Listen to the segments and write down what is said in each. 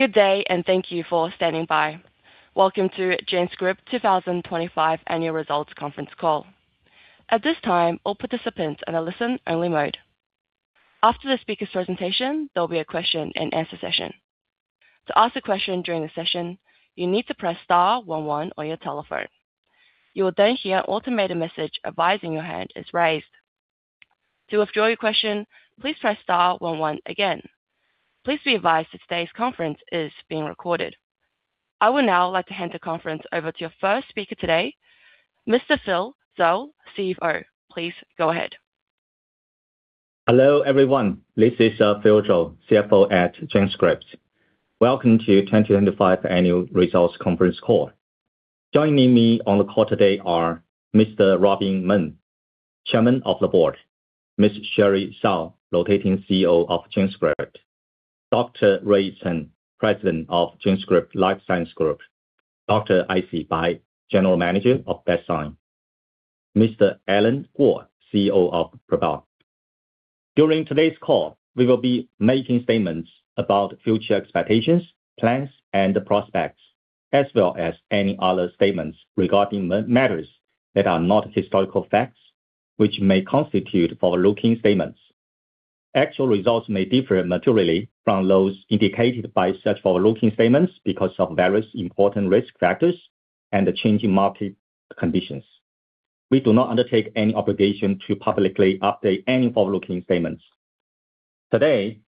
Good day, thank you for standing by. Welcome to GenScript 2025 annual results conference call. At this time, all participants are in a listen-only mode. After the speaker's presentation, there'll be a question and answer session. To ask a question during the session, you need to press star one one on your telephone. You will then hear an automated message advising your hand is raised. To withdraw your question, please press star one one again. Please be advised that today's conference is being recorded. I would now like to hand the conference over to your first speaker today, Mr. Phil Zhou, CFO. Please go ahead. Hello, everyone. This is Phil Zhou, CFO at GenScript. Welcome to 2025 annual results conference call. Joining me on the call today are Mr. Robin Meng, Chairman of the Board, Ms. Sherry Shao, Rotating CEO of GenScript, Dr. Ray Chen, President of GenScript Life Science Group, Dr. Aixi Bai, General Manager of Bestzyme, Mr. Allen Guo, CEO of ProBio. During today's call, we will be making statements about future expectations, plans, and prospects, as well as any other statements regarding matters that are not historical facts, which may constitute forward-looking statements. Actual results may differ materially from those indicated by such forward-looking statements because of various important risk factors and the changing market conditions. We do not undertake any obligation to publicly update any forward-looking statements. Today,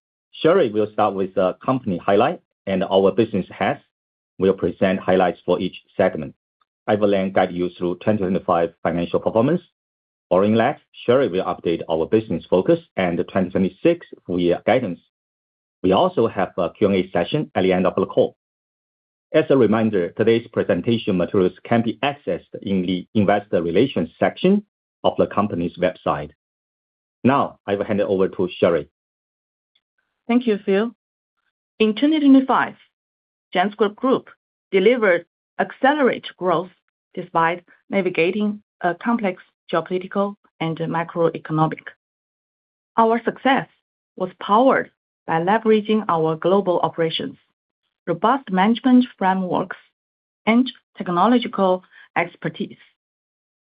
Sherry will start with the company highlight, and our business heads will present highlights for each segment. I will then guide you through 2025 financial performance. Following that, Sherry will update our business focus and the 2026 full year guidance. We also have a Q&A session at the end of the call. As a reminder, today's presentation materials can be accessed in the investor relations section of the company's website. Now, I will hand it over to Sherry. Thank you, Phil. In 2025, GenScript Group delivered accelerated growth despite navigating a complex geopolitical and macroeconomic. Our success was powered by leveraging our global operations, robust management frameworks, and technological expertise,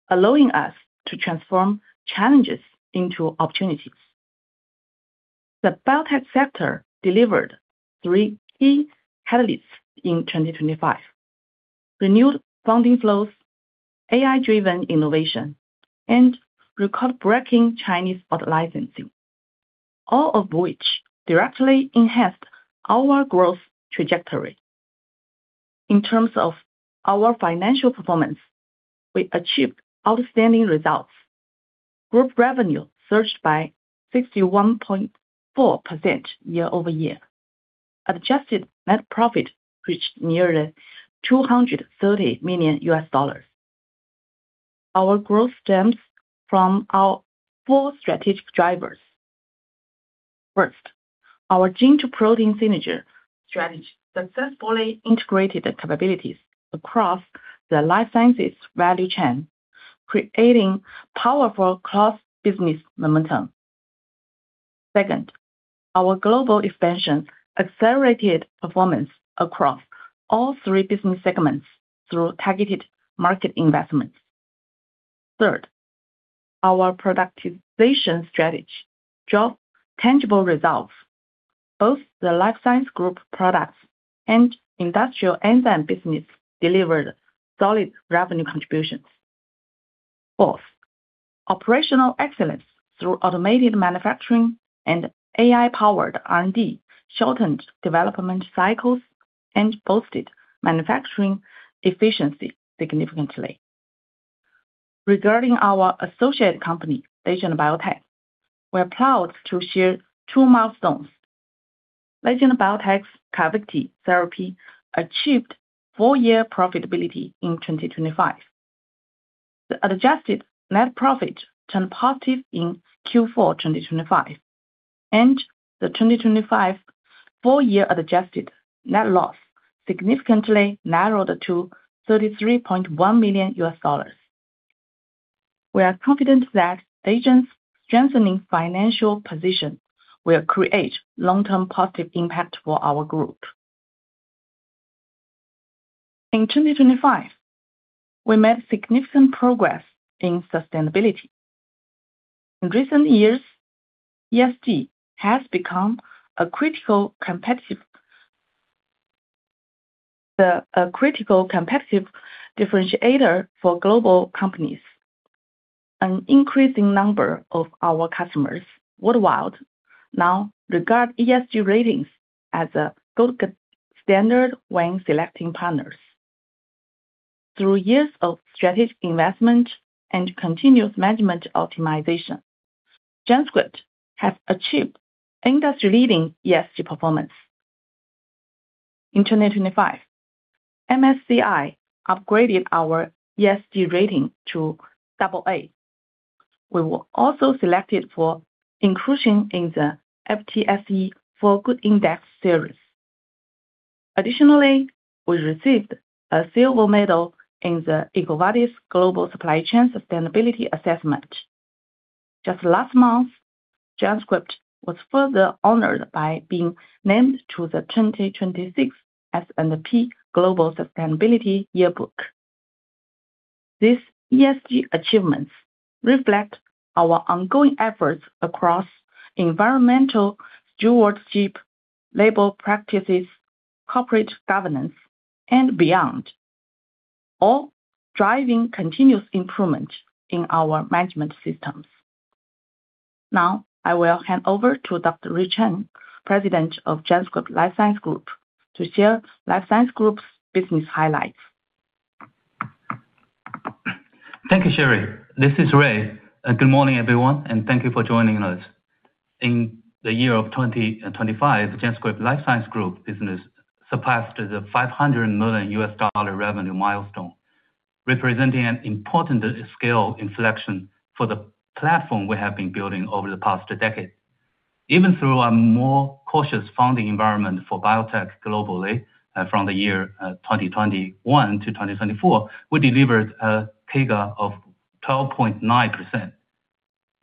allowing us to transform challenges into opportunities. The biotech sector delivered three key catalysts in 2025. Renewed funding flows, AI-driven innovation, and record-breaking Chinese out-licensing, all of which directly enhanced our growth trajectory. In terms of our financial performance, we achieved outstanding results. Group revenue surged by 61.4% year-over-year. Adjusted net profit reached nearly $230 million. Our growth stems from our four strategic drivers. First, our gene-to-protein signature strategy successfully integrated the capabilities across the life sciences value chain, creating powerful class business momentum. Second, our global expansion accelerated performance across all three business segments through targeted market investments. Third, our productization strategy drove tangible results. Both the life science group products and industrial enzyme business delivered solid revenue contributions. Fourth, operational excellence through automated manufacturing and AI-powered R&D shortened development cycles and boosted manufacturing efficiency significantly. Regarding our associate company, Legend Biotech, we're proud to share two milestones. Legend Biotech's Carvykti therapy achieved four-year profitability in 2025. The adjusted net profit turned positive in Q4 2025, and the 2025 full year adjusted net loss significantly narrowed to $33.1 million. We are confident that Legend's strengthening financial position will create long-term positive impact for our group. In 2025, we made significant progress in sustainability. In recent years, ESG has become a critical competitive differentiator for global companies. An increasing number of our customers worldwide now regard ESG ratings as a good standard when selecting partners. Through years of strategic investment and continuous management optimization, GenScript have achieved industry-leading ESG performance. In 2025, MSCI upgraded our ESG rating to AA. We were also selected for inclusion in the FTSE4Good index series. Additionally, we received a silver medal in the EcoVadis Global Supply Chain Sustainability Assessment. Just last month, GenScript was further honored by being named to the 2026 S&P Global Sustainability Yearbook. This ESG achievements reflect our ongoing efforts across environmental stewardship, labor practices, corporate governance, and beyond, all driving continuous improvement in our management systems. Now, I will hand over to Dr. Ray Chen, President of GenScript Life Science Group, to share Life Sciences Group's business highlights. Thank you, Sherry. This is Ray. Good morning, everyone, and thank you for joining us. In the year of 2025, GenScript Life Science Group business surpassed the $500 million revenue milestone, representing an important scale inflection for the platform we have been building over the past decade. Even through a more cautious funding environment for biotech globally, from the year 2021 to 2024, we delivered a CAGR of 12.9%.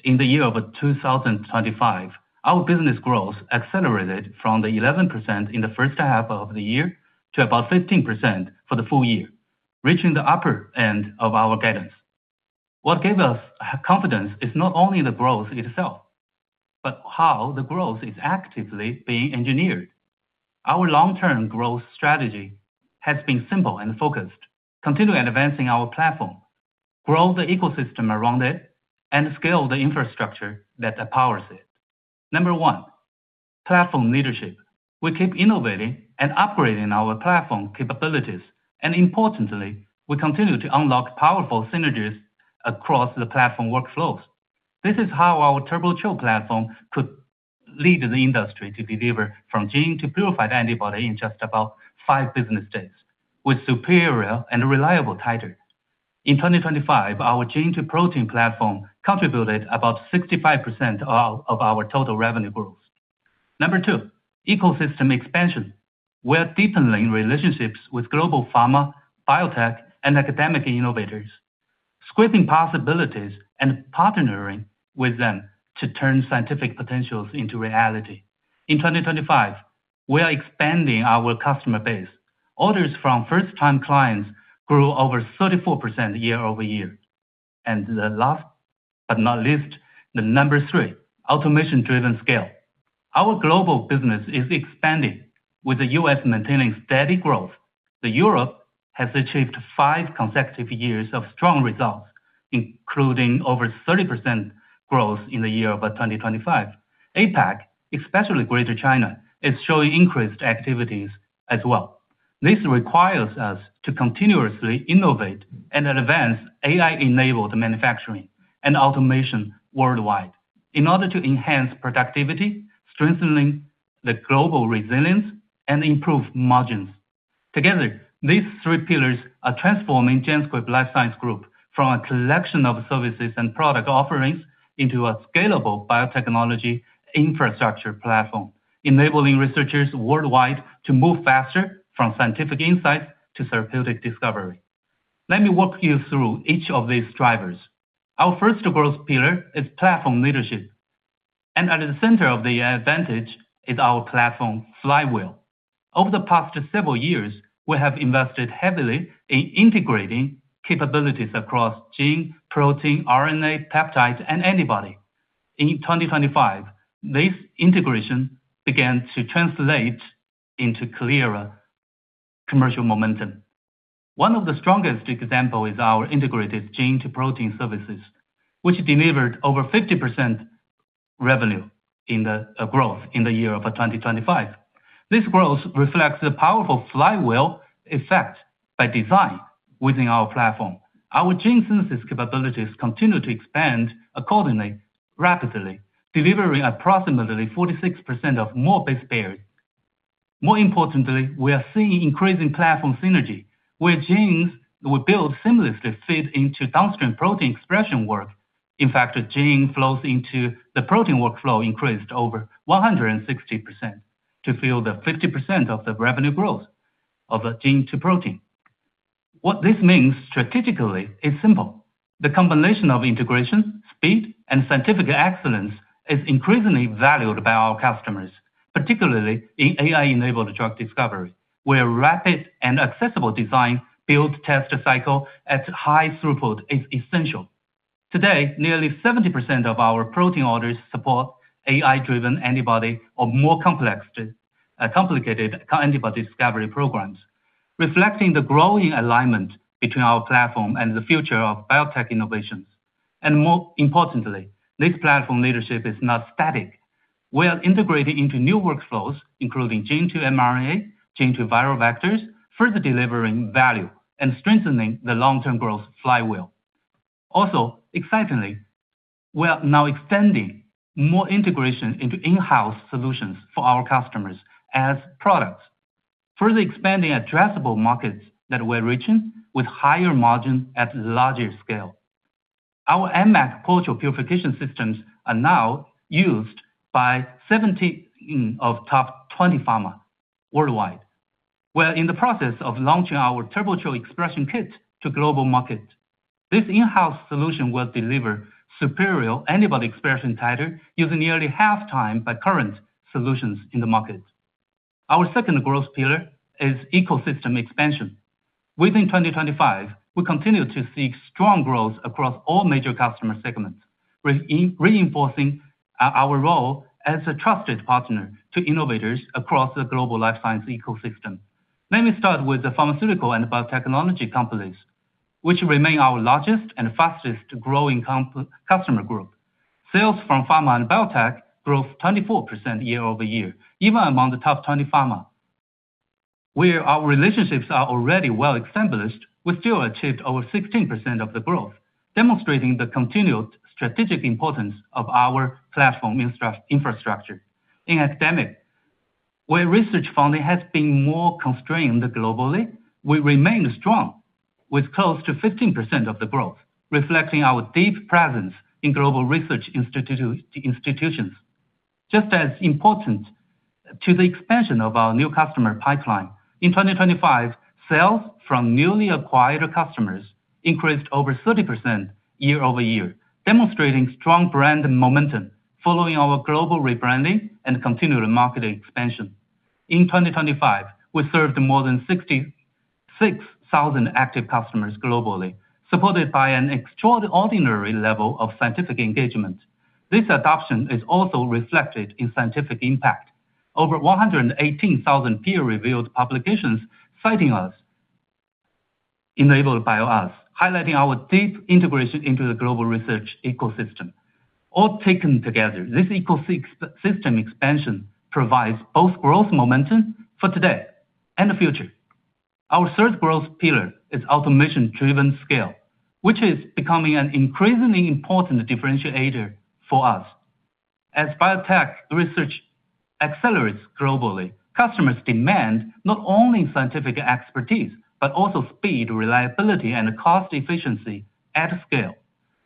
In the year of 2025, our business growth accelerated from the 11% in the first half of the year to about 15% for the full year, reaching the upper end of our guidance. What gave us confidence is not only the growth itself, but how the growth is actively being engineered. Our long-term growth strategy has been simple and focused. Continue advancing our platform, grow the ecosystem around it, and scale the infrastructure that powers it. Number one, platform leadership. We keep innovating and operating our platform capabilities, and importantly, we continue to unlock powerful synergies across the platform workflows. This is how our TurboCHO platform could lead the industry to deliver from gene to purified antibody in just about five business days with superior and reliable titer. In 2025, our gene to protein platform contributed about 65% of our total revenue growth. Number two, ecosystem expansion. We're deepening relationships with global pharma, biotech, and academic innovators, scripting possibilities and partnering with them to turn scientific potentials into reality. In 2025, we are expanding our customer base. Orders from first-time clients grew over 34% year-over-year. The last but not least, the number three, automation-driven scale. Our global business is expanding, with the U.S. maintaining steady growth. Europe has achieved five consecutive years of strong results, including over 30% growth in the year of 2025. APAC, especially Greater China, is showing increased activities as well. This requires us to continuously innovate and advance AI-enabled manufacturing and automation worldwide in order to enhance productivity, strengthening the global resilience and improve margins. Together, these three pillars are transforming GenScript Life Science Group from a collection of services and product offerings into a scalable biotechnology infrastructure platform, enabling researchers worldwide to move faster from scientific insight to therapeutic discovery. Let me walk you through each of these drivers. Our first growth pillar is platform leadership, and at the center of the advantage is our platform flywheel. Over the past several years, we have invested heavily in integrating capabilities across gene, protein, RNA, peptides, and antibody. In 2025, this integration began to translate into clearer commercial momentum. One of the strongest example is our integrated gene to protein services, which delivered over 50% revenue growth in the year of 2025. This growth reflects the powerful flywheel effect by design within our platform. Our gene synthesis capabilities continue to expand accordingly, rapidly, delivering approximately 46% of global market share. More importantly, we are seeing increasing platform synergy, where genes we build seamlessly feed into downstream protein expression work. In fact, gene flows into the protein workflow increased over 160% to fuel the 50% revenue growth of the gene to protein. What this means strategically is simple. The combination of integration, speed, and scientific excellence is increasingly valued by our customers, particularly in AI-enabled drug discovery, where rapid and accessible design build test cycle at high throughput is essential. Today, nearly 70% of our protein orders support AI-driven antibody or more complex, complicated antibody discovery programs, reflecting the growing alignment between our platform and the future of biotech innovations. More importantly, this platform leadership is not static. We are integrating into new workflows, including gene to mRNA, gene to viral vectors, further delivering value and strengthening the long-term growth flywheel. Also, excitingly, we are now extending more integration into in-house solutions for our customers as products, further expanding addressable markets that we're reaching with higher margins at larger scale. Our AmMag culture purification systems are now used by 17 of the top 20 pharma worldwide. We're in the process of launching our TurboCHO expression kit to the global market. This in-house solution will deliver superior antibody expression titer using nearly half the time of current solutions in the market. Our second growth pillar is ecosystem expansion. Within 2025, we continue to seek strong growth across all major customer segments, reinforcing our role as a trusted partner to innovators across the global life science ecosystem. Let me start with the pharmaceutical and biotechnology companies, which remain our largest and fastest growing customer group. Sales from pharma and biotech grew 24% year-over-year, even among the top 20 pharma. Where our relationships are already well-established, we still achieved over 16% of the growth, demonstrating the continued strategic importance of our platform infrastructure. In academic, where research funding has been more constrained globally, we remain strong with close to 15% of the growth, reflecting our deep presence in global research institutions. Just as important to the expansion of our new customer pipeline, in 2025, sales from newly acquired customers increased over 30% year-over-year, demonstrating strong brand and momentum following our global rebranding and continued market expansion. In 2025, we served more than 66,000 active customers globally, supported by an extraordinary level of scientific engagement. This adoption is also reflected in scientific impact. Over 118,000 peer-reviewed publications citing us, enabled by us, highlighting our deep integration into the global research ecosystem. All taken together, this ecosystem expansion provides both growth momentum for today and the future. Our third growth pillar is automation-driven scale, which is becoming an increasingly important differentiator for us. As biotech research accelerates globally, customers demand not only scientific expertise, but also speed, reliability, and cost efficiency at scale.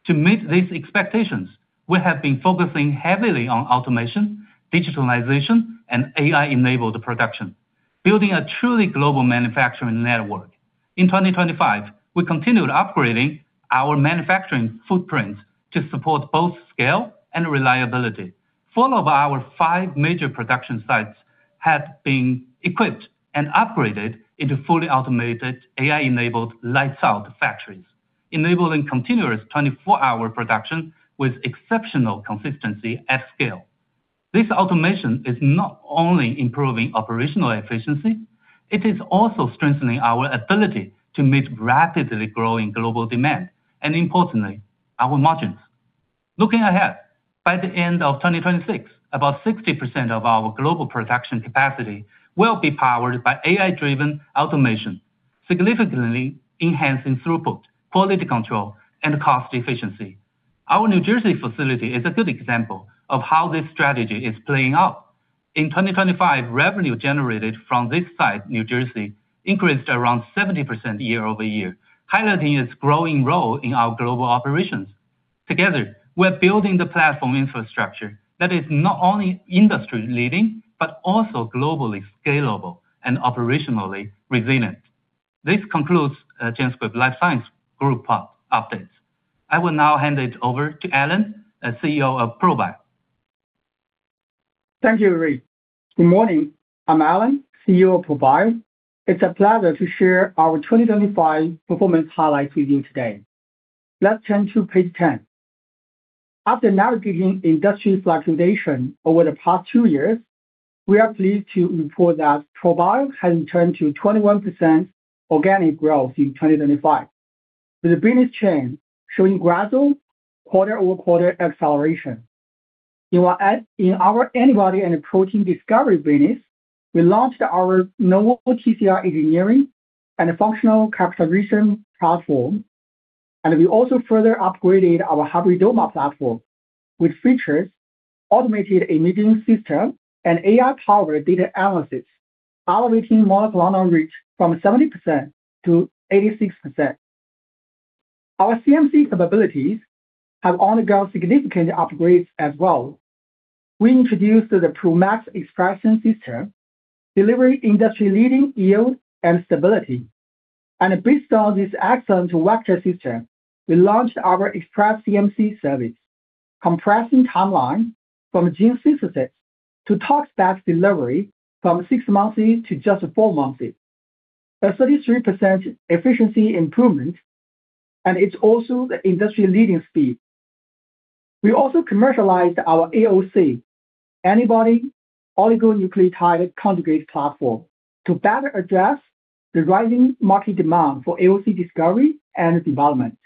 To meet these expectations, we have been focusing heavily on automation, digitalization, and AI-enabled production, building a truly global manufacturing network. In 2025, we continued upgrading our manufacturing footprint to support both scale and reliability. Four of our five major production sites have been equipped and upgraded into fully automated AI-enabled lights-out factories, enabling continuous 24-hour production with exceptional consistency at scale. This automation is not only improving operational efficiency, it is also strengthening our ability to meet rapidly growing global demand, and importantly, our margins. Looking ahead, by the end of 2026, about 60% of our global production capacity will be powered by AI-driven automation, significantly enhancing throughput, quality control, and cost efficiency. Our New Jersey facility is a good example of how this strategy is playing out. In 2025, revenue generated from this site, New Jersey, increased around 70% year-over-year, highlighting its growing role in our global operations. Together, we're building the platform infrastructure that is not only industry-leading, but also globally scalable and operationally resilient. This concludes GenScript Life Science Group update. I will now hand it over to Allen, CEO of ProBio. Thank you, Ray. Good morning. I'm Allen, CEO of ProBio. It's a pleasure to share our 2025 performance highlights with you today. Let's turn to page 10. After navigating industry fluctuation over the past two years, we are pleased to report that ProBio has returned to 21% organic growth in 2025, with the business chain showing gradual quarter-over-quarter acceleration. In our antibody and protein discovery business, we launched our novel TCR engineering and functional characterization platform, and we also further upgraded our hybridoma platform with featured automated imaging system and AI-powered data analysis, elevating monoclonal rate from 70% to 86%. Our CMC capabilities have undergone significant upgrades as well. We introduced the ProMax expression system, delivering industry-leading yield and stability. Based on this excellent vector system, we launched our Express CMC service, compressing timeline from gene synthesis to tox batch delivery from six months to just four months, a 33% efficiency improvement, and it's also the industry-leading speed. We also commercialized our AOC, antibody oligonucleotide conjugates platform, to better address the rising market demand for AOC discovery and development.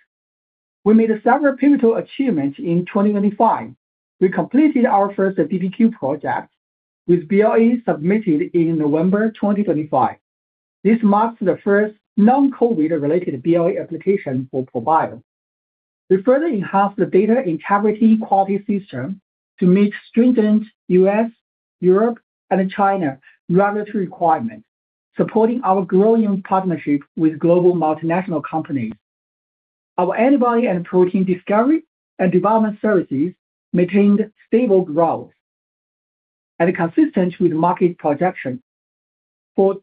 We made several pivotal achievements in 2025. We completed our first DBTL project with BLA submitted in November 2025. This marks the first non-COVID-related BLA application for ProBio. We further enhanced the data integrity quality system to meet stringent U.S., Europe, and China regulatory requirements, supporting our growing partnership with global multinational companies. Our antibody and protein discovery and development services maintained stable growth and consistent with market projection. For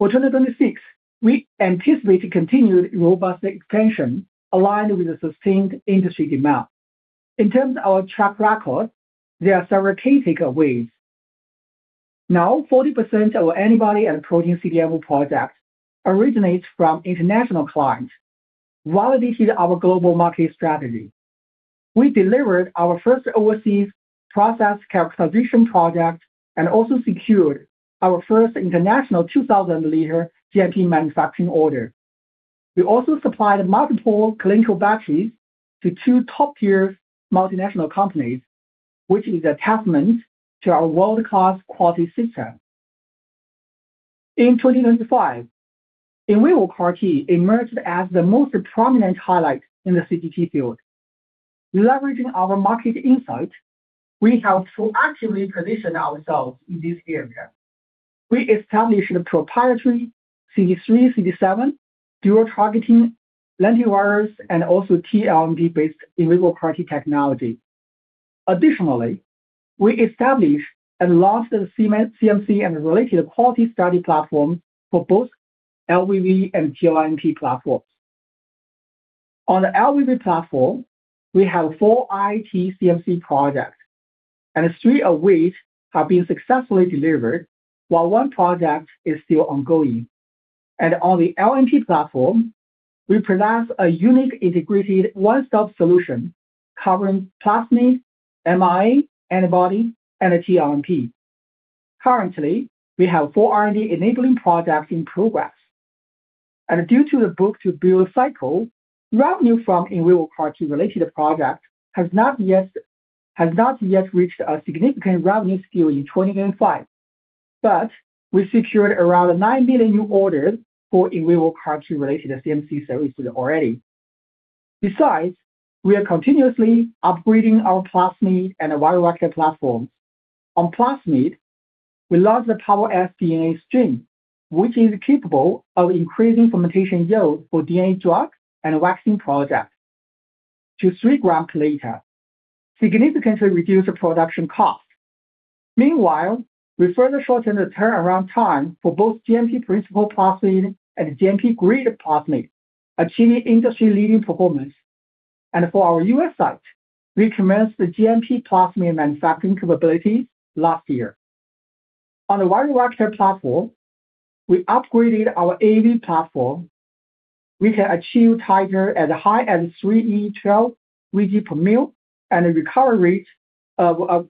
2026, we anticipate continued robust expansion aligned with the sustained industry demand. In terms of our track record, there are several key takeaways. Now, 40% of antibody and protein CDMO projects originate from international clients, validating our global market strategy. We delivered our first overseas process characterization project and also secured our first international 2,000-liter GMP manufacturing order. We also supplied multiple clinical batches to two top-tier multinational companies, which is a testament to our world-class quality system. In 2025, in vivo CAR-T emerged as the most prominent highlight in the CGT field. Leveraging our market insight, we have to actively position ourselves in this area. We established the proprietary CD3/CD7 dual targeting lentivirus and also LNP-based in vivo CAR-T technology. Additionally, we established and launched the CM-CMC and related quality study platform for both LVV and LNP platforms. On the LVV platform, we have four IT CMC projects, and three of which have been successfully delivered, while one project is still ongoing. On the LNP platform, we possess a unique integrated one-stop solution covering plasmid, mRNA, antibody, and LNP. Currently, we have four R&D-enabling projects in progress. Due to the book to bill cycle, revenue from in vivo CAR-T related projects has not yet reached a significant revenue scale in 2025. We secured around $9 million new orders for in vivo CAR-T related CMC services already. Besides, we are continuously upgrading our plasmid and viral vector platform. On plasmid, we launched the PowerS-DNA+, which is capable of increasing fermentation yield for DNA drug and vaccine projects to 3 grams per liter, significantly reduce the production cost. Meanwhile, we further shortened the turnaround time for both GMP principal plasmid and GMP-grade plasmid, achieving industry-leading performance. For our U.S. site, we commenced the GMP plasmid manufacturing capability last year. On the viral vector platform, we upgraded our AAV platform. We can achieve titer at high end 3E12 µg per mL and a recovery rate of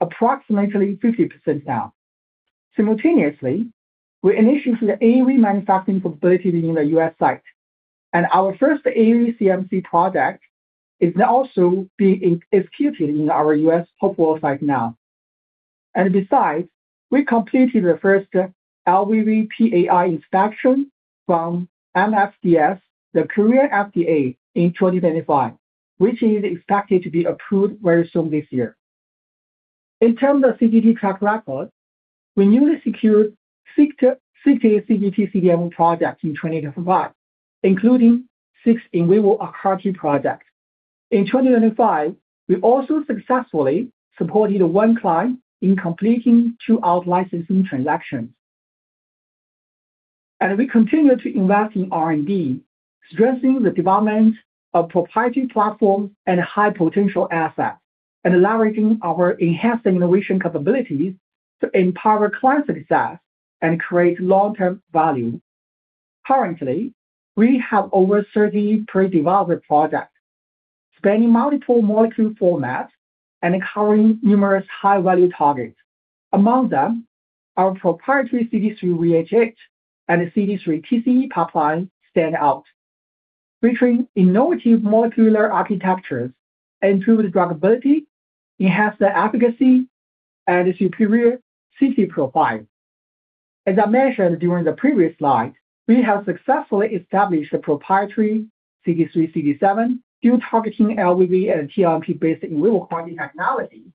approximately 50% now. Simultaneously, we initiated the AAV manufacturing capability in the U.S. site, and our first AAV CMC project is now also being executed in our U.S. Hopewell site now. Besides, we completed the first LVV PAI inspection from MFDS, the Korean FDA, in 2025, which is expected to be approved very soon this year. In terms of CGT track record, we newly secured 60 CGT CDMO projects in 2025, including six in vivo CAR-T projects. In 2025, we also successfully supported one client in completing two out-licensing transactions. We continue to invest in R&D, stressing the development of proprietary platform and high-potential assets, and leveraging our enhanced innovation capabilities to empower client success and create long-term value. Currently, we have over 30 pre-development projects spanning multiple molecule formats and covering numerous high-value targets. Among them, our proprietary CD3VHH and CD3TCE pipeline stand out, featuring innovative molecular architectures, improved druggability, enhanced efficacy, and superior safety profile. As I mentioned during the previous slide, we have successfully established the proprietary CD3CD7 dual targeting LVV and LNP-based in vivo CAR-T technology.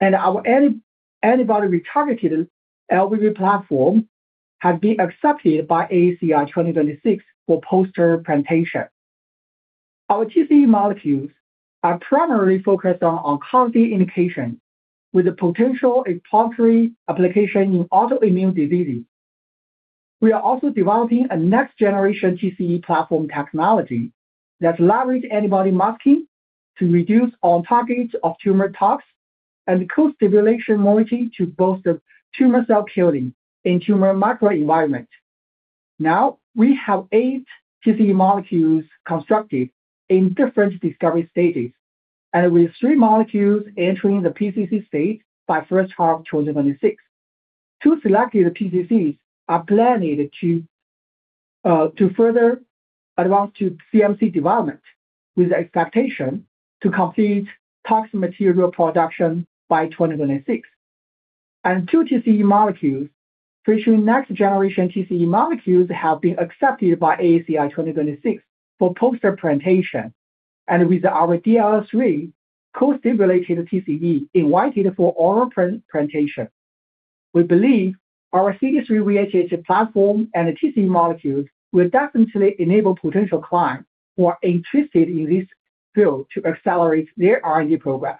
Our anti-antibody retargeted LVV platform has been accepted by AACR 2026 for poster presentation. Our TCE molecules are primarily focused on oncology indication with the potential exploratory application in autoimmune diseases. We are also developing a next-generation TCE platform technology that leverage antibody masking to reduce on-target off-tumor tox and co-stimulation molecule to boost the tumor cell killing in tumor microenvironment. Now, we have eight TCE molecules constructed in different discovery stages, and with three molecules entering the PCC state by first half 2026. Two selected PCCs are planning to further advance to CMC development with the expectation to complete tox material production by 2026. Two TCE molecules featuring next-generation TCE molecules have been accepted by AACR 2026 for poster presentation. With our CD3 co-stimulated TCE invited for oral presentation. We believe our CD3VHH platform and T-cell molecules will definitely enable potential clients who are interested in this field to accelerate their R&D progress.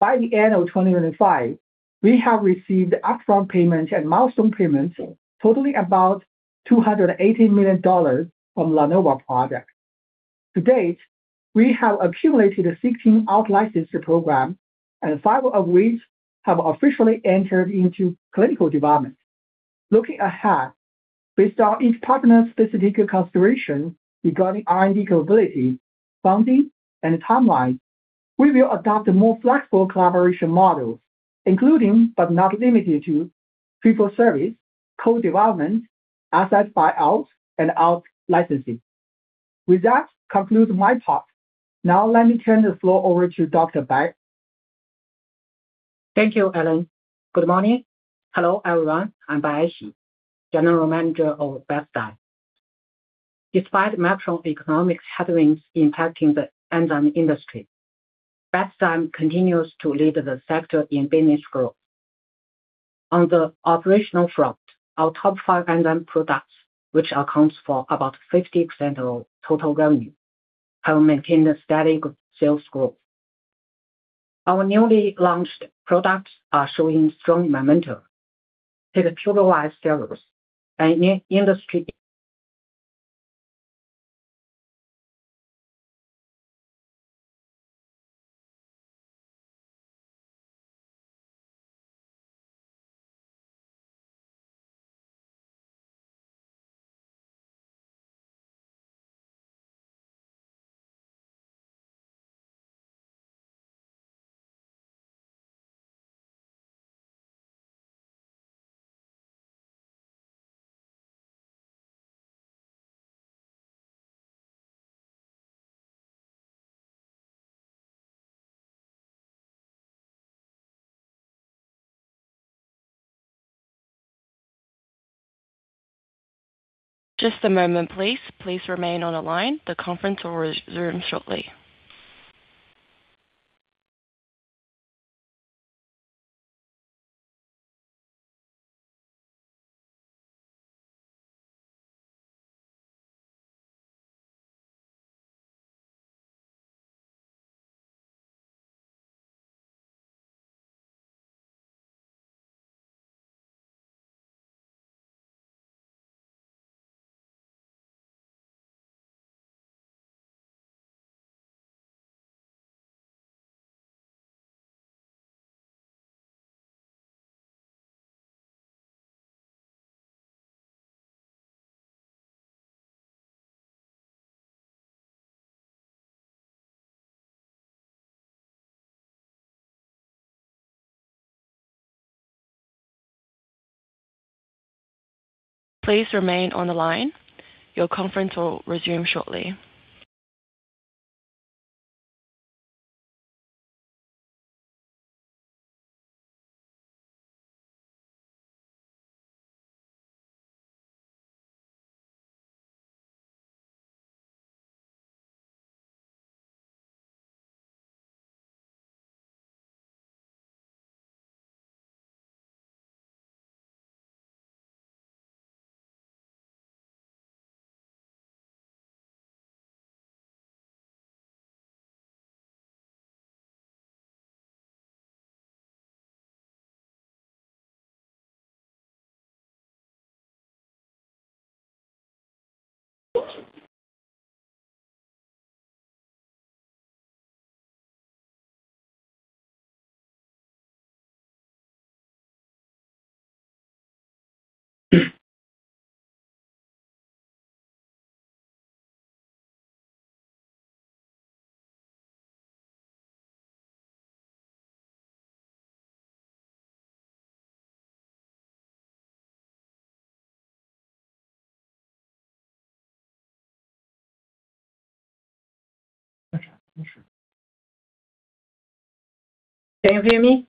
By the end of 2025, we have received upfront payment and milestone payments totaling about $280 million from LaNova project. To date, we have accumulated 16 out-licensed programs, and five of which have officially entered into clinical development. Looking ahead, based on each partner's specific consideration regarding R&D capability, funding, and timeline, we will adopt a more flexible collaboration model, including, but not limited to fee-for-service, co-development, asset buyouts, and out-licensing. With that, concludes my part. Now let me turn the floor over to Dr. Aixi Bai. Thank you, Allen. Good morning. Hello, everyone. I'm Aixi Bai, General Manager of Bestzyme. Despite macroeconomic headwinds impacting the enzyme industry, Bestzyme continues to lead the sector in business growth. On the operational front, our top five enzyme products, which accounts for about 50% of total revenue, have maintained a steady sales growth. Our newly launched products are showing strong momentum. Take PuraWise Cellus. Just a moment, please. Please remain on the line. The conference will resume shortly. Please remain on the line. Your conference will resume shortly. Can you hear me?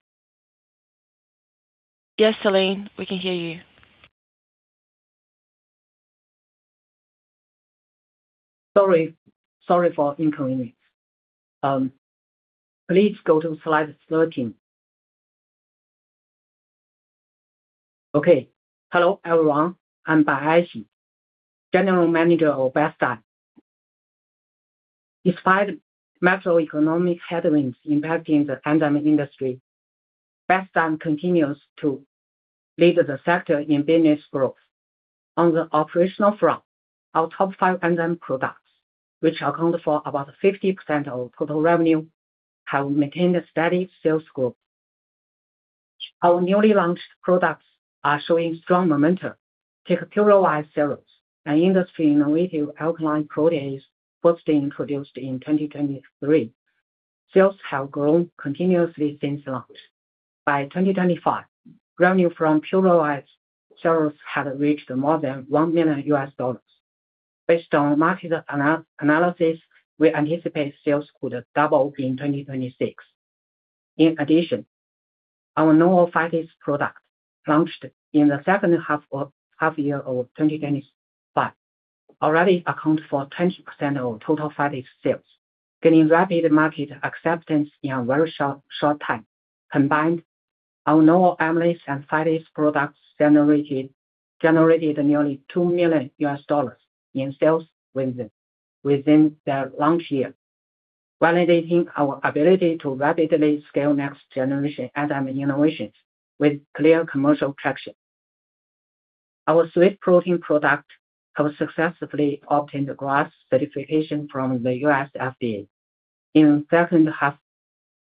Yes, Celine, we can hear you. Sorry for interrupting. Please go to slide 13. Okay. Hello, everyone. I'm Aixi Bai, General Manager of Bestzyme. Despite macroeconomic headwinds impacting the enzyme industry, Bestzyme continues to lead the sector in business growth. On the operational front, our top five enzyme products, which account for about 50% of total revenue, have maintained a steady sales growth. Our newly launched products are showing strong momentum. Take PuraWise Cellus, an industry-innovative alkaline protease first introduced in 2023. Sales have grown continuously since launch. By 2025, revenue from PuraWise Cellus had reached more than $1 million. Based on market analysis, we anticipate sales could double in 2026. In addition, our NovoPhytase product, launched in the second half of 2025 already account for 20% of total phytase sales, getting rapid market acceptance in a very short time. Combined, our novel amylase and phytase products generated nearly $2 million in sales within their launch year, validating our ability to rapidly scale next-generation enzyme innovations with clear commercial traction. Our Sweet Protein product has successfully obtained the GRAS certification from the U.S. FDA. In second half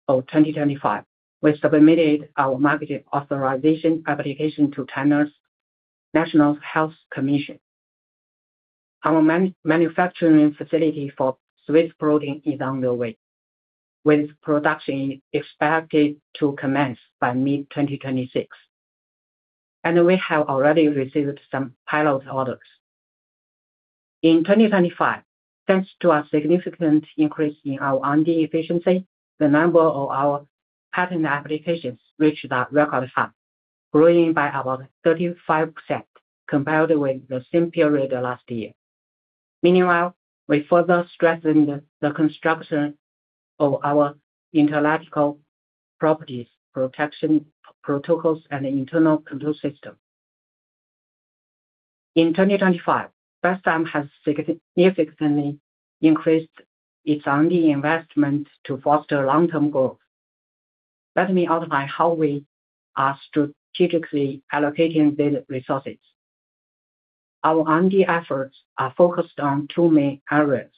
of 2025, we submitted our market authorization application to China's National Health Commission. Our manufacturing facility for Sweet Protein is underway, with production expected to commence by mid-2026. We have already received some pilot orders. In 2025, thanks to a significant increase in our R&D efficiency, the number of our patent applications reached a record high, growing by about 35% compared with the same period last year. Meanwhile, we further strengthened the construction of our intellectual property protection protocols, and internal control system. In 2025, GenScript has significantly increased its R&D investment to foster long-term growth. Let me outline how we are strategically allocating these resources. Our R&D efforts are focused on two main areas.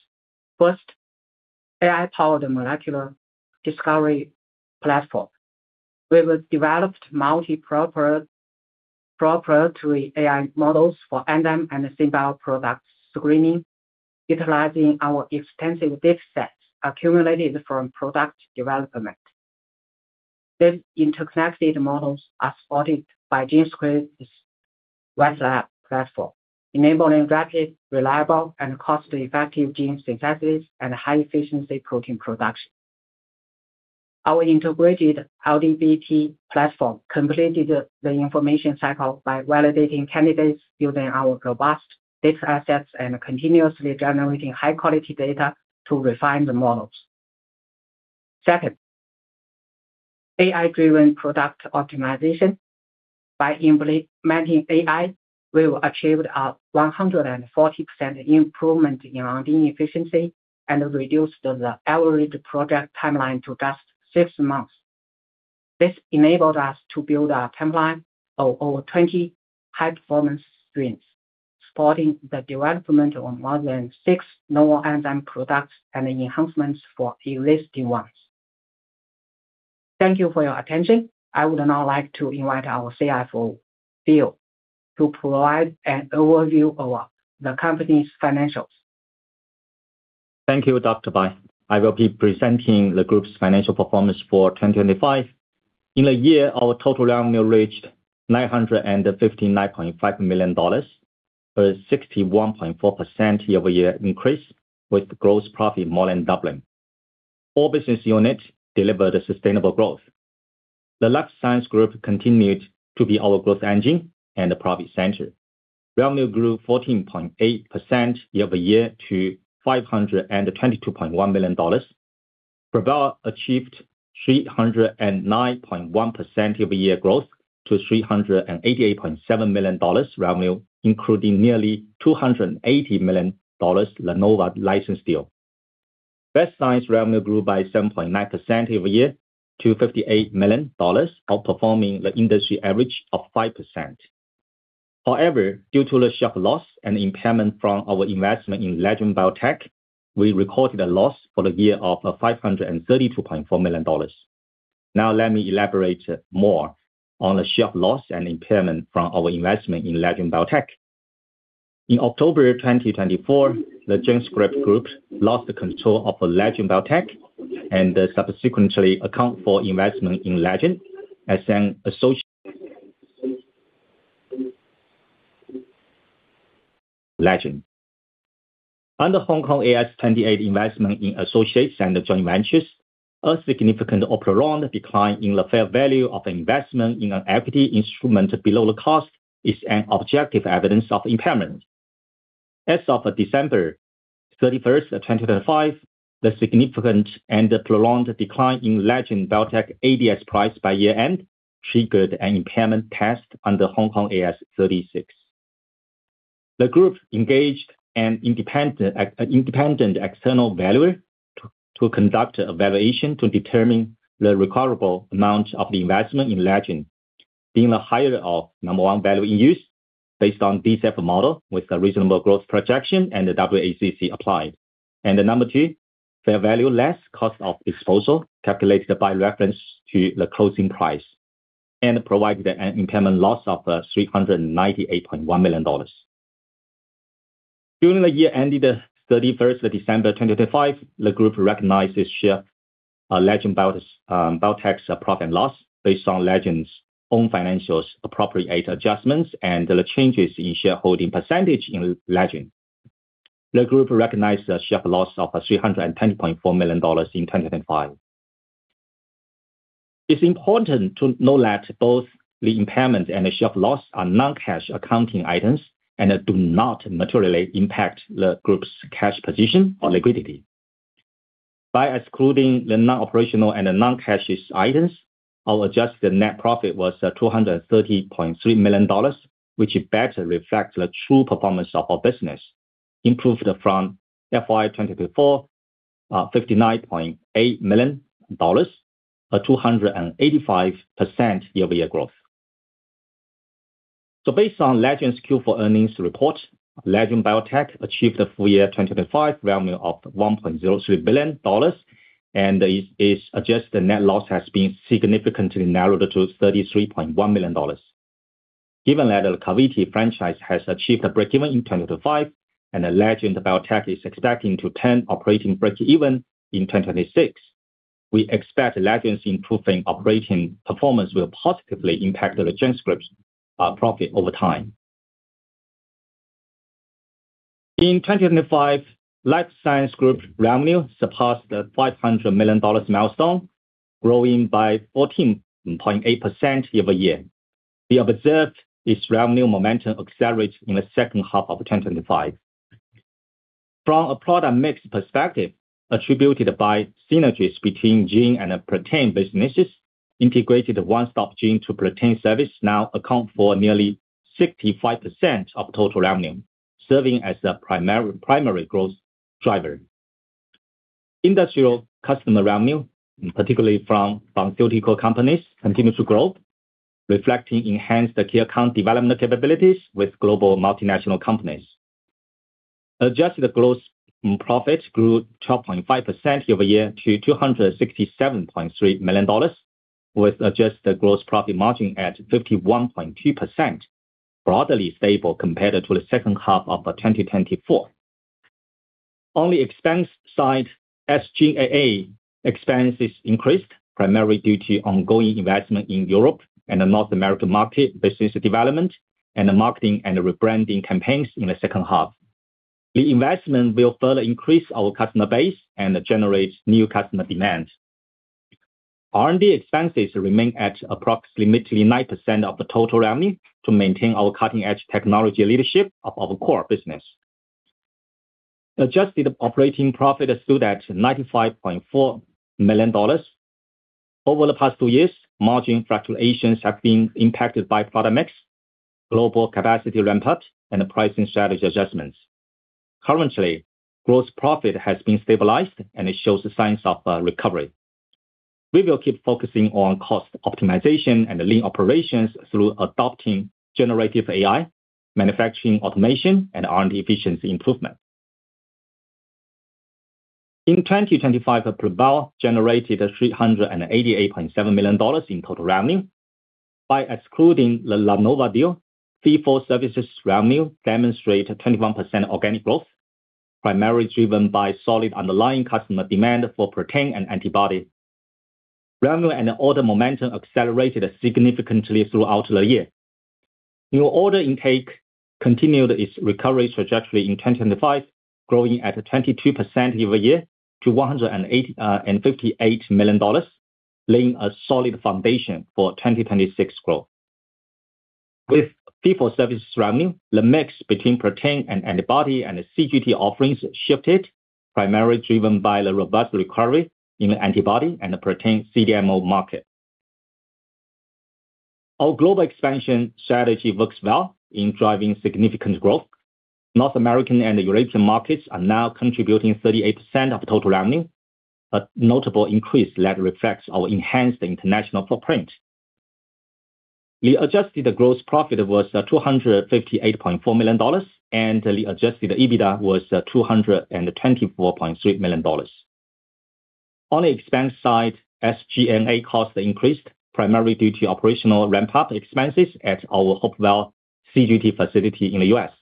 First, AI-powered molecular discovery platform. We have developed proprietary AI models for enzyme and synbio product screening, utilizing our extensive datasets accumulated from product development. These interconnected models are supported by GenScript's WEZA platform, enabling rapid, reliable, and cost-effective gene synthesis and high-efficiency protein production. Our integrated RDBT platform completed the information cycle by validating candidates using our robust data assets and continuously generating high-quality data to refine the models. Second, AI-driven product optimization. By implementing AI, we have achieved a 140% improvement in R&D efficiency and reduced the average project timeline to just six months. This enabled us to build a pipeline of over 20 high-performance screens, supporting the development of more than six novel enzyme products and enhancements for existing ones. Thank you for your attention. I would now like to invite our CFO, Phil, to provide an overview of the company's financials. Thank you, Dr. Bai. I will be presenting the group's financial performance for 2025. In the year, our total revenue reached $959.5 million, a 61.4% year-over-year increase, with gross profit more than doubling. All business units delivered sustainable growth. The GenScript Life Science Group continued to be our growth engine and the profit center. Revenue grew 14.8% year-over-year to $522.1 million. ProBio achieved 309.1% year-over-year growth to $388.7 million revenue, including nearly $280 million LaNova license deal. Bestzyme's revenue grew by 7.9% year-over-year to $58 million, outperforming the industry average of 5%. However, due to the share loss and impairment from our investment in Legend Biotech, we recorded a loss for the year of $532.4 million. Now let me elaborate more on the share loss and impairment from our investment in Legend Biotech. In October 2024, the GenScript group lost control of Legend Biotech and subsequently accounted for investment in Legend as an associate, Legend. Under HKAS 28 investment in associates and joint ventures, a significant or prolonged decline in the fair value of investment in an equity instrument below the cost is an objective evidence of impairment. As of December 31, 2025, the significant and prolonged decline in Legend Biotech ADS price by year-end triggered an impairment test under HKAS 36. The group engaged an independent external valuer to conduct a valuation to determine the recoverable amount of the investment in Legend Biotech, being the higher of number one, value in use based on DCF model with a reasonable growth projection and WACC applied, and number two, fair value less cost of disposal calculated by reference to the closing price, and provided an impairment loss of $398.1 million. During the year ended December 31, 2025, the group recognized its share of Legend Biotech's profit and loss based on Legend's own financials, appropriate adjustments, and the changes in shareholding percentage in Legend. The group recognized a share loss of $310.4 million in 2025. It's important to know that both the impairment and the share of loss are non-cash accounting items and do not materially impact the group's cash position or liquidity. By excluding the non-operational and the non-cash items, our adjusted net profit was $230.3 million, which better reflects the true performance of our business, improved from FY 2024, $59.8 million, a 285% year-over-year growth. Based on Legend's Q4 earnings report, Legend Biotech achieved a full year 2025 revenue of $1.03 billion, and its adjusted net loss has been significantly narrowed to $33.1 million. Given that the CAR-T franchise has achieved breakeven in 2025, and Legend Biotech is expecting to turn operating breakeven in 2026, we expect Legend's improving operating performance will positively impact the GenScript's profit over time. In 2025, Life Science Group revenue surpassed the $500 million milestone, growing by 14.8% year-over-year. We observed its revenue momentum accelerate in the second half of 2025. From a product mix perspective, attributed by synergies between gene and protein businesses, integrated one-stop gene-to-protein service now account for nearly 65% of total revenue, serving as the primary growth driver. Industrial customer revenue, particularly from pharmaceutical companies, continues to grow, reflecting enhanced key account development capabilities with global multinational companies. Adjusted gross profit grew 12.5% year-over-year to $267.3 million, with adjusted gross profit margin at 51.2%, broadly stable compared to the second half of 2024. On the expense side, SG&A expenses increased, primarily due to ongoing investment in Europe and the North American market business development and the marketing and rebranding campaigns in the second half. The investment will further increase our customer base and generate new customer demands. R&D expenses remain at approximately 9% of the total revenue to maintain our cutting-edge technology leadership of our core business. Adjusted operating profit stood at $95.4 million. Over the past two years, margin fluctuations have been impacted by product mix, global capacity ramp-up, and pricing strategy adjustments. Currently, gross profit has been stabilized and it shows signs of recovery. We will keep focusing on cost optimization and lean operations through adopting generative AI, manufacturing automation, and R&D efficiency improvement. In 2025, ProBio generated $388.7 million in total revenue. By excluding the LaNova deal, ProBio Services revenue demonstrate 21% organic growth, primarily driven by solid underlying customer demand for protein and antibody. Revenue and order momentum accelerated significantly throughout the year. New order intake continued its recovery trajectory in 2025, growing at 22% year-over-year to $158 million, laying a solid foundation for 2026 growth. With ProBio Services revenue, the mix between protein and antibody and CGT offerings shifted, primarily driven by the robust recovery in the antibody and the protein CDMO market. Our global expansion strategy works well in driving significant growth. North American and European markets are now contributing 38% of total revenue, a notable increase that reflects our enhanced international footprint. The adjusted gross profit was $258.4 million, and the adjusted EBITDA was $224.3 million. On the expense side, SG&A costs increased, primarily due to operational ramp-up expenses at our Hopewell CGT facility in the U.S.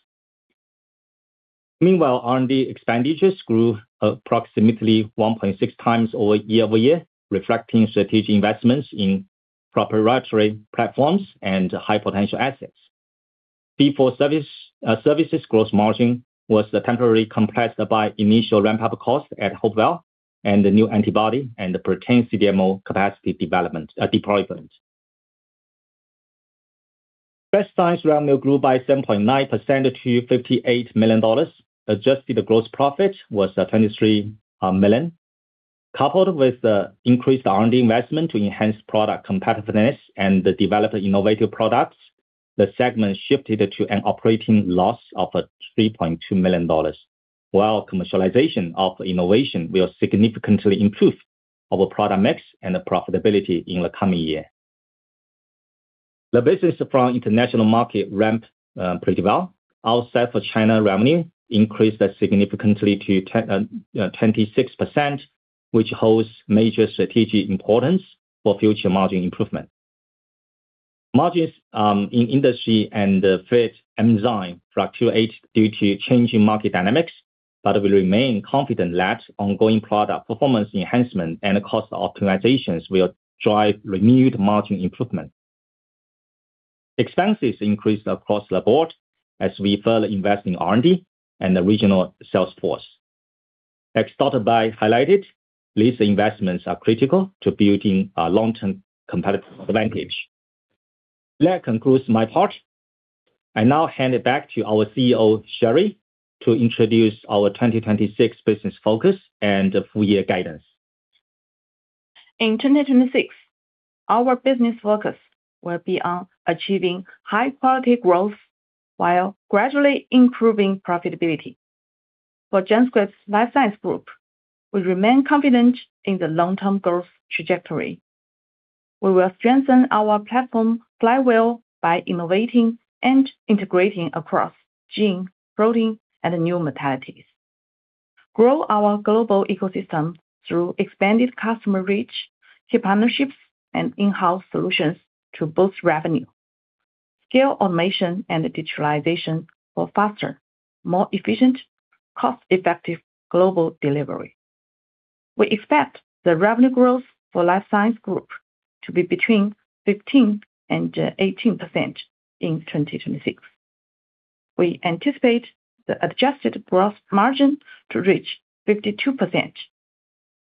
Meanwhile, R&D expenditures grew approximately 1.6x year-over-year, reflecting strategic investments in proprietary platforms and high-potential assets. P4 Services gross margin was temporarily compressed by initial ramp-up costs at Hopewell and the new antibody and the potential CDMO capacity development, deployment. Life science revenue grew by 7.9% to $58 million. Adjusted gross profit was $23 million. Coupled with the increased R&D investment to enhance product competitiveness and develop innovative products, the segment shifted to an operating loss of $3.2 million, while commercialization of innovation will significantly improve our product mix and profitability in the coming year. The business from international market ramped pretty well. Outside of China, revenue increased significantly to 26%, which holds major strategic importance for future margin improvement. Margins in industrial and feed enzyme fluctuated due to changing market dynamics, but we remain confident that ongoing product performance enhancement and cost optimizations will drive renewed margin improvement. Expenses increased across the board as we further invest in R&D and the regional sales force. As Dr. Bai highlighted, these investments are critical to building a long-term competitive advantage. That concludes my part. I now hand it back to our CEO, Sherry, to introduce our 2026 business focus and full year guidance. In 2026, our business focus will be on achieving high-quality growth while gradually improving profitability. For GenScript Life Science Group, we remain confident in the long-term growth trajectory. We will strengthen our platform flywheel by innovating and integrating across gene, protein, and new modalities, grow our global ecosystem through expanded customer reach, key partnerships, and in-house solutions to boost revenue, scale automation and digitalization for faster, more efficient, cost-effective global delivery. We expect the revenue growth for GenScript Life Science Group to be between 15% and 18% in 2026. We anticipate the adjusted gross margin to reach 52%,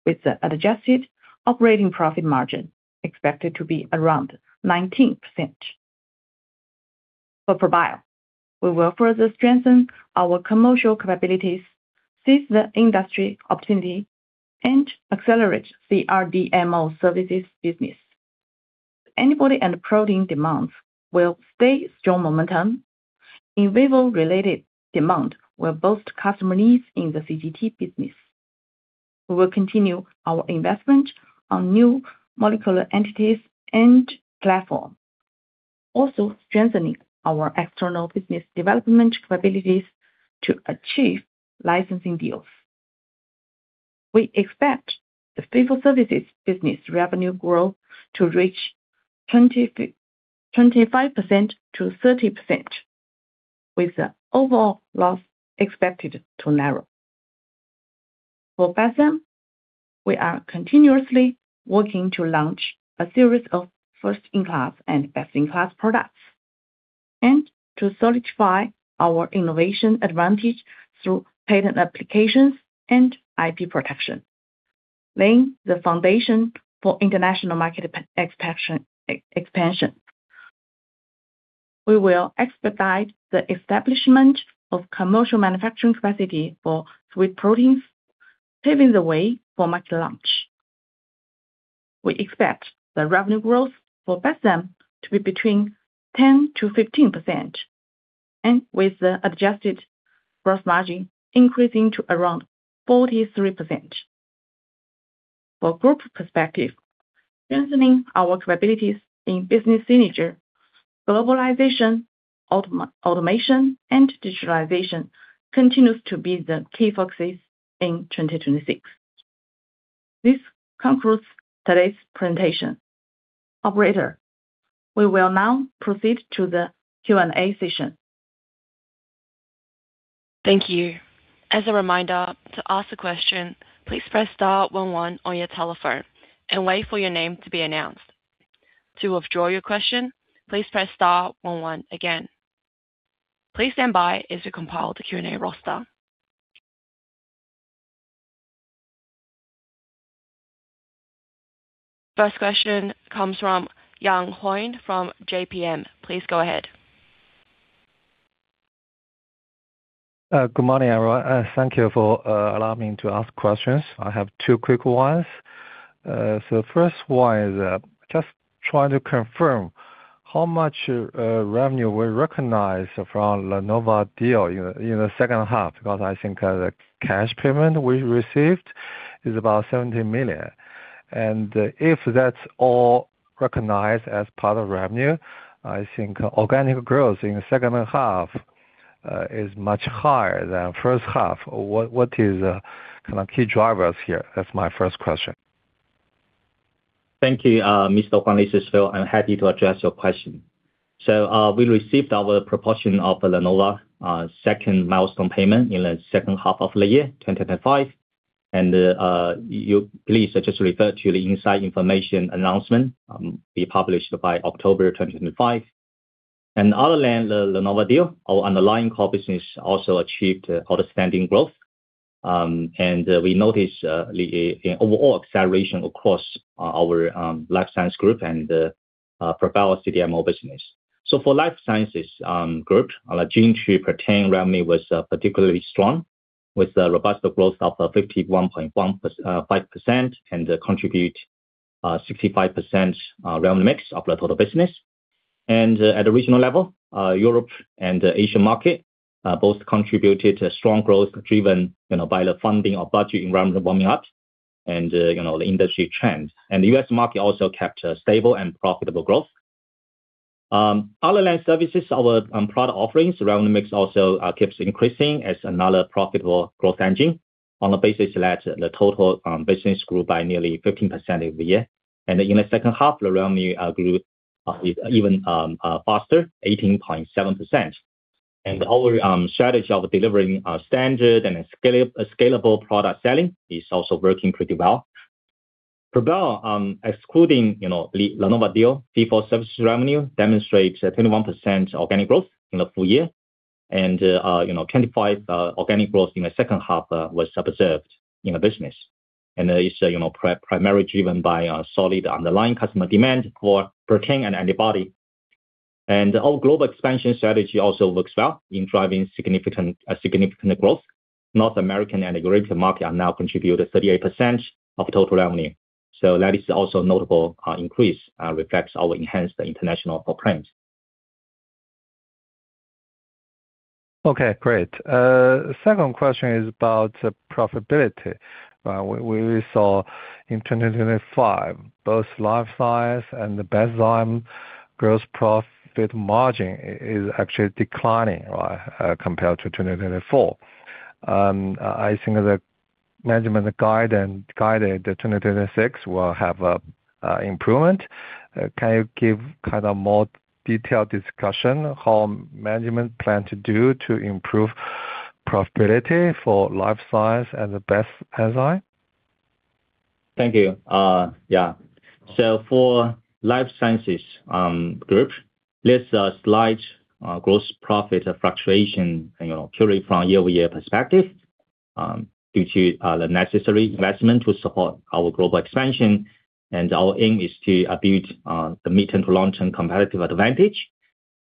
with the adjusted operating profit margin expected to be around 19%. For ProBio, we will further strengthen our commercial capabilities, seize the industry opportunity, and accelerate the CDMO services business. Antibody and protein demands will sustain strong momentum. In vivo-related demand will boost customer needs in the CGT business. We will continue our investment on new molecular entities and platform, also strengthening our external business development capabilities to achieve licensing deals. We expect the ProBio services business revenue growth to reach 25%-30%, with the overall loss expected to narrow. For Bestzyme, we are continuously working to launch a series of first-in-class and best-in-class products and to solidify our innovation advantage through patent applications and IP protection, laying the foundation for international market expansion. We will expedite the establishment of commercial manufacturing capacity for sweet proteins, paving the way for market launch. We expect the revenue growth for Bestzyme to be between 10%-15%, and with the adjusted gross margin increasing to around 43%. From a group perspective, strengthening our capabilities in business synergy, globalization, automation, and digitalization continues to be the key focuses in 2026. This concludes today's presentation. Operator, we will now proceed to the Q&A session. Thank you. As a reminder, to ask a question, please press star one one on your telephone and wait for your name to be announced. To withdraw your question, please press star one one again. Please stand by as we compile the Q&A roster. First question comes from Yang Huang from JPMorgan. Please go ahead. Good morning, everyone. Thank you for allowing me to ask questions. I have two quick ones. The first one is just trying to confirm how much revenue we recognize from LaNova deal in the second half, because I think the cash payment we received is about $70 million. If that's all recognized as part of revenue, I think organic growth in the second half is much higher than first half. What is kind of key drivers here? That's my first question. Thank you, Mr. Huang. This is Phil. I'm happy to address your question. We received our proportion of LaNova second milestone payment in the second half of the year, 2025. Please just refer to the inside information announcement be published by October 2025. Other than the LaNova deal, our underlying core business also achieved outstanding growth. We noticed the overall acceleration across our life sciences group and ProBio CDMO business. For life sciences group, our gene therapy and revenue was particularly strong, with a robust growth of 51.15% and contribute 65% revenue mix of the total business. At the regional level, Europe and the Asian market both contributed a strong growth driven, you know, by the funding or budget environment warming up and, you know, the industry trends. The U.S. market also kept a stable and profitable growth. Other than services, our product offerings revenue mix also keeps increasing as another profitable growth engine on the basis that the total business grew by nearly 15% every year. In the second half, the revenue grew even faster, 18.7%. Our strategy of delivering a standard and scalable product selling is also working pretty well. For ProBio, excluding, you know, the LaNova deal, fee-for-service revenue demonstrates a 21% organic growth in the full year. 25 organic growth in the second half was observed in the business. It's, you know, primarily driven by a solid underlying customer demand for protein and antibody. Our global expansion strategy also works well in driving significant growth. North American and European market are now contribute 38% of total revenue. That is also notable increase reflects our enhanced international footprints. Okay, great. Second question is about the profitability. We saw in 2025, both Life Science and the Biologics gross profit margin is actually declining, right, compared to 2024. I think management guided that 2026 will have an improvement. Can you give kind of more detailed discussion how management plan to do to improve profitability for Life Science and Bestzyme? Thank you. For GenScript Life Science Group, there's a slight gross profit fluctuation, you know, purely from year-over-year perspective, due to the necessary investment to support our global expansion. Our aim is to build the midterm to long-term competitive advantage.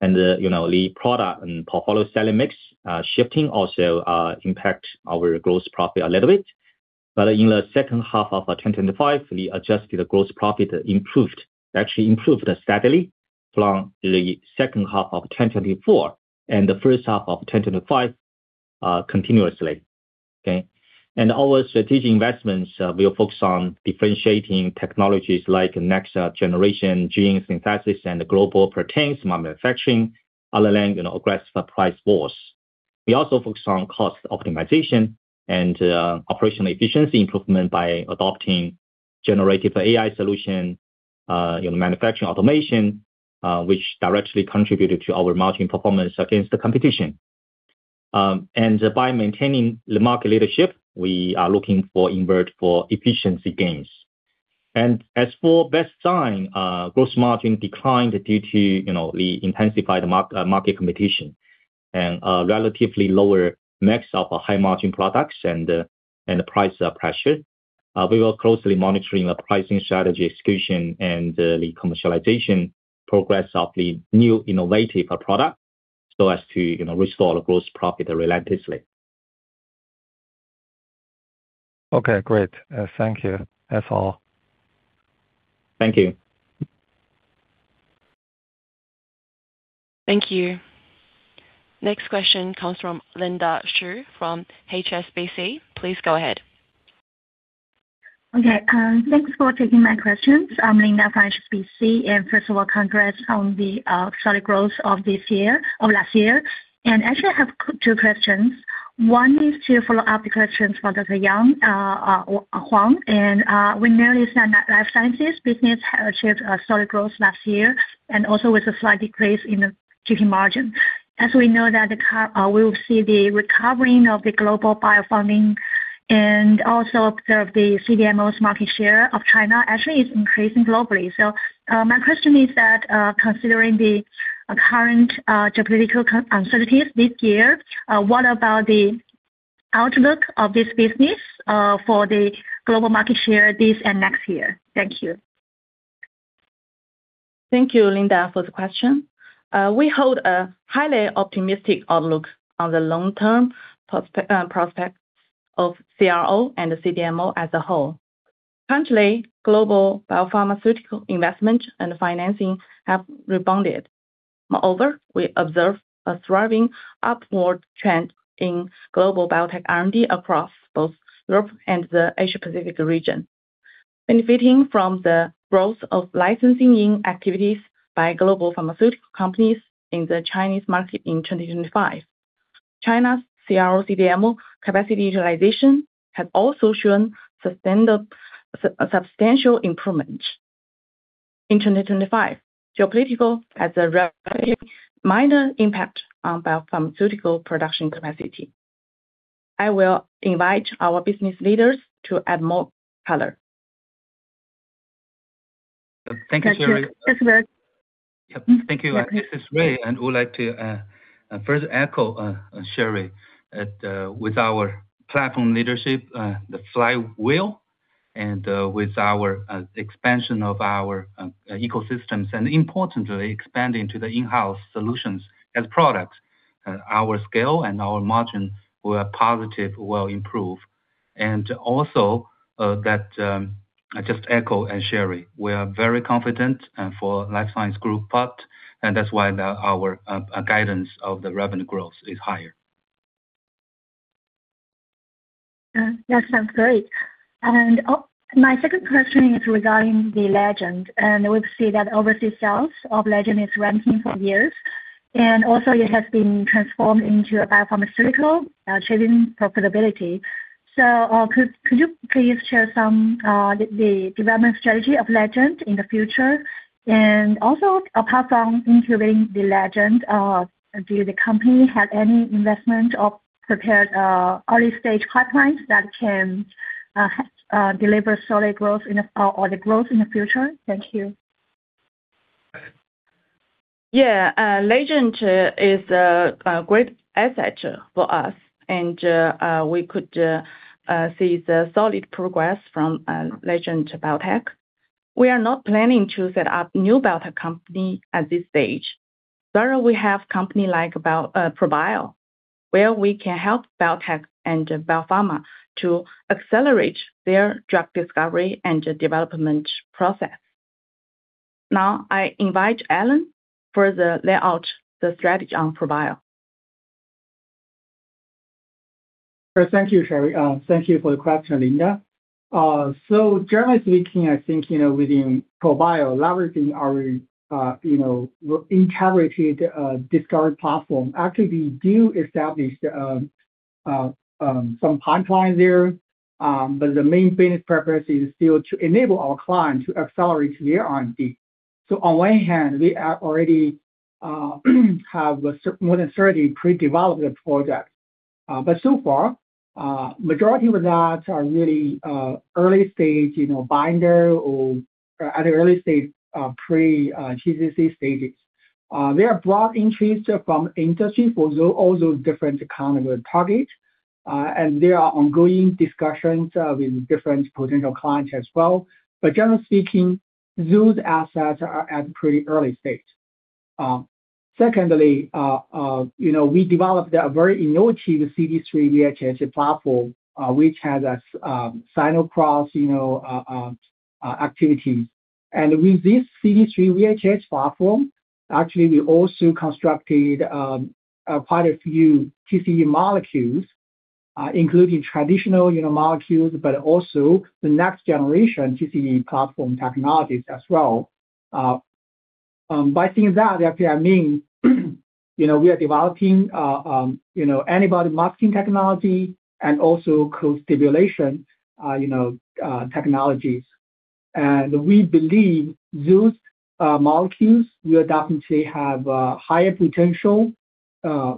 You know, the product and portfolio selling mix shifting also impact our gross profit a little bit. In the second half of 2025, the adjusted gross profit improved. Actually improved steadily from the second half of 2024 and the first half of 2025 continuously. Okay. Our strategic investments will focus on differentiating technologies like next generation gene synthesis and global proteins manufacturing, other than, you know, aggressive price wars. We also focus on cost optimization and operational efficiency improvement by adopting generative AI solution, you know, manufacturing automation, which directly contributed to our margin performance against the competition. By maintaining the market leadership, we are looking for investment for efficiency gains. As for Bestzyme, gross margin declined due to, you know, the intensified market competition and relatively lower mix of high margin products and the price pressure. We are closely monitoring the pricing strategy execution and the commercialization progress of the new innovative product so as to, you know, restore the gross profit relentlessly. Okay, great. Thank you. That's all. Thank you. Thank you. Next question comes from Linda Xu from HSBC. Please go ahead. Okay. Thanks for taking my questions. I'm Linda from HSBC. First of all, congrats on the solid growth of this year or last year. Actually, I have two questions. One is to follow up the questions for Yang Huang, Huang. We noticed that Life Sciences business have achieved a solid growth last year and also with a slight decrease in the GP margin. As we know that the current. We will see the recovery of the global biopharma and also observe the CDMO's market share of China actually is increasing globally. My question is that, considering the current geopolitical uncertainties this year, what about the outlook of this business for the global market share this and next year? Thank you. Thank you, Linda, for the question. We hold a highly optimistic outlook on the long-term prospect of CRO and the CDMO as a whole. Currently, global biopharmaceutical investment and financing have rebounded. Moreover, we observe a thriving upward trend in global biotech R&D across both Europe and the Asia Pacific region. Benefiting from the growth of licensing activities by global pharmaceutical companies in the Chinese market in 2025. China's CRO/CDMO capacity utilization has also shown sustained substantial improvement. In 2025, geopolitics has a relatively minor impact on biopharmaceutical production capacity. I will invite our business leaders to add more color. Thank you, Sherry. Yes, good. Yeah. Thank you. This is Ray, and I would like to first echo Sherry that with our platform leadership, the flywheel and with our expansion of our ecosystems, and importantly, expanding to the in-house solutions as products, our scale and our margin were positive, will improve. Also that I just echo as Sherry. We are very confident for Life Science Group part, and that's why our guidance of the revenue growth is higher. That sounds great. My second question is regarding Legend Biotech. We've seen that overseas sales of Legend Biotech is ramping for years, and also it has been transformed into a biopharmaceutical, achieving profitability. Could you please share some the development strategy of Legend Biotech in the future? Also apart from including Legend Biotech, do the company have any investment or prepared early stage pipelines that can deliver solid growth or the growth in the future? Thank you. Yeah. Legend is a great asset for us, and we could see the solid progress from Legend Biotech. We are not planning to set up new biotech company at this stage. However, we have company like ProBio, where we can help biotech and bio pharma to accelerate their drug discovery and development process. Now, I invite Allen to further lay out the strategy on ProBio. Thank you, Sherry. Thank you for the question, Linda. Generally speaking, I think, you know, within ProBio, leveraging our, you know, integrated discovery platform, actually we do establish some pipeline there, but the main business purpose is still to enable our client to accelerate their R&D. On one hand, we are already have more than 30 pre-development projects. So far, majority of that are really early stage, you know, binder or at early stage pre-CMC stages. There are broad interest from industry for all those different actionable targets, and there are ongoing discussions with different potential clients as well. Generally speaking, those assets are at pretty early stage. Secondly, you know, we developed a very innovative CD3 VHH platform, which has a cyno-cross, you know, activity. With this CD3 VHH platform, actually, we also constructed quite a few TCE molecules, including traditional, you know, molecules, but also the next generation TCE platform technologies as well. By saying that, actually I mean, you know, we are developing antibody mimicking technology and also co-stimulation, you know, technologies. We believe those molecules will definitely have higher potential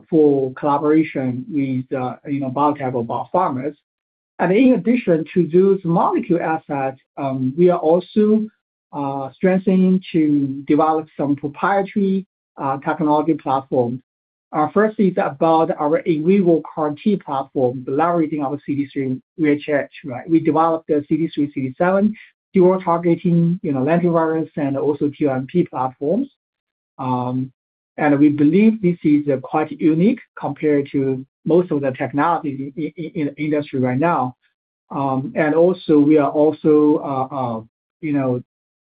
for collaboration with, you know, biopharmas. In addition to those molecule assets, we are also strengthening to develop some proprietary technology platforms. Our first is about our in vivo CAR-T platform, leveraging our CD3 VHH, right? We developed the CD3-CD7 dual-targeting lentivirus and also LNP platforms. We believe this is quite unique compared to most of the technology in the industry right now. We are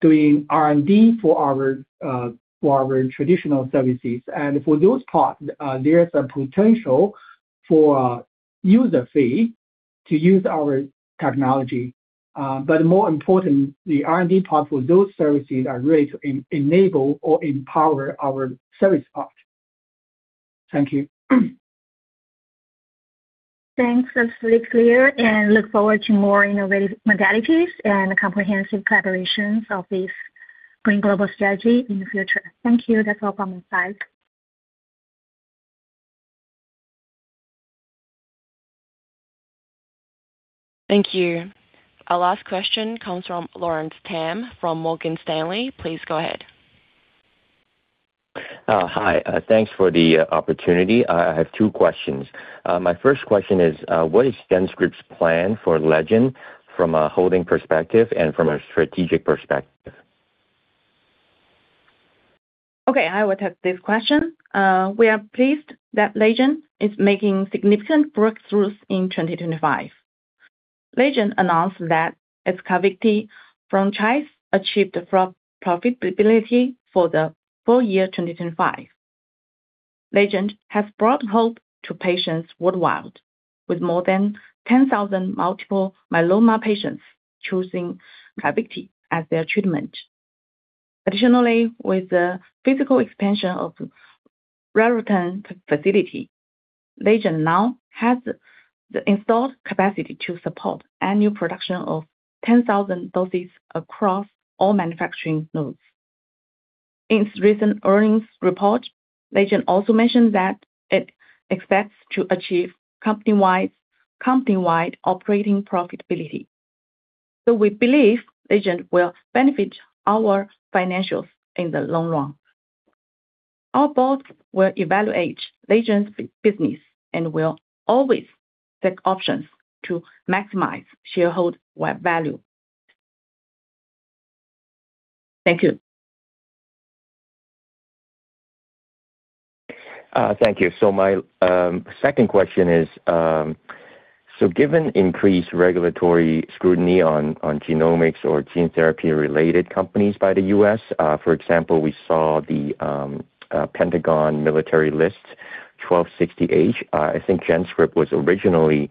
doing R&D for our traditional services. For those part, there's a potential for user fee to use our technology. But more important, the R&D part for those services are really to enable or empower our service part. Thank you. Thanks. That's really clear, and look forward to more innovative modalities and comprehensive collaborations of this big global strategy in the future. Thank you. That's all from my side. Thank you. Our last question comes from Laurence Tam from Morgan Stanley. Please go ahead. Hi. Thanks for the opportunity. I have two questions. My first question is, what is GenScript's plan for Legend from a holding perspective and from a strategic perspective? Okay, I will take this question. We are pleased that Legend is making significant breakthroughs in 2025. Legend announced that its Carvykti franchise achieved positive profitability for the full year 2025. Legend has brought hope to patients worldwide, with more than 10,000 multiple myeloma patients choosing Carvykti as their treatment. Additionally, with the physical expansion of Raritan facility, Legend now has the installed capacity to support annual production of 10,000 doses across all manufacturing nodes. In its recent earnings report, Legend also mentioned that it expects to achieve company-wide operating profitability. We believe Legend will benefit our financials in the long run. Our boards will evaluate Legend's business and will always take options to maximize shareholder value. Thank you. Thank you. My second question is, given increased regulatory scrutiny on genomics or gene therapy-related companies by the U.S., for example, we saw the Pentagon military list, Section 1260H. I think GenScript was originally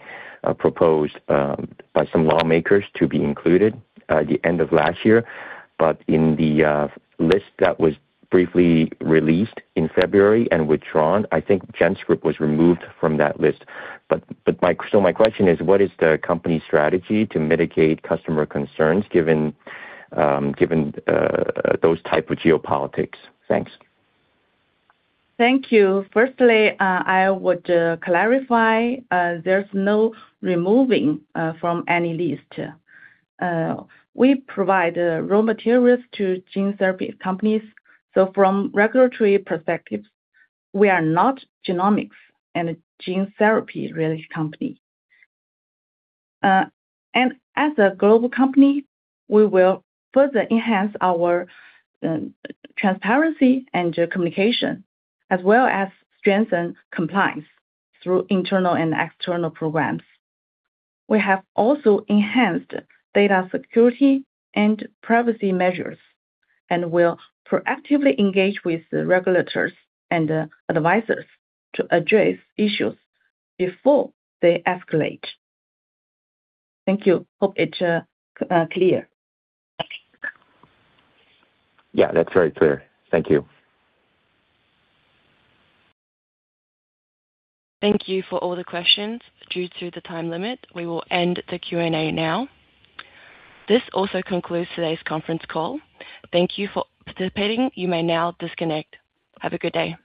proposed by some lawmakers to be included at the end of last year. In the list that was briefly released in February and withdrawn, I think GenScript was removed from that list. My question is, what is the company's strategy to mitigate customer concerns given those type of geopolitics? Thanks. Thank you. Firstly, I would clarify there's no removing from any list. We provide raw materials to gene therapy companies, so from regulatory perspectives, we are not genomics and a gene therapy-related company. As a global company, we will further enhance our transparency and communication, as well as strengthen compliance through internal and external programs. We have also enhanced data security and privacy measures, and will proactively engage with the regulators and advisors to address issues before they escalate. Thank you. Hope it clear. Yeah, that's very clear. Thank you. Thank you for all the questions. Due to the time limit, we will end the Q&A now. This also concludes today's conference call. Thank you for participating. You may now disconnect. Have a good day.